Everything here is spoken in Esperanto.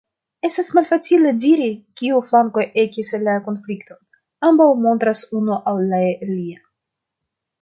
Estas malfacile diri, kiu flanko ekis la konflikton: ambaŭ montras unu al la alia.